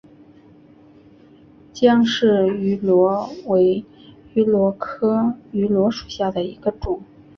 姜氏芋螺为芋螺科芋螺属下的一个种。